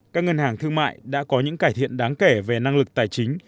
các ngân hàng thương mại đã có những cải thiện đáng kể về năng lực tài chính